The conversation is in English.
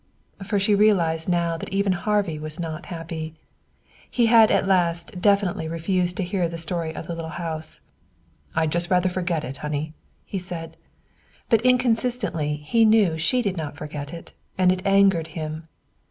For she realized now that even Harvey was not happy. He had at last definitely refused to hear the story of the little house. "I'd rather just forget it, honey!" he said. But inconsistently he knew she did not forget it, and it angered him.